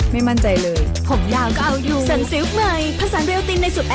มีสุขภาพดีขึ้นห้าเทา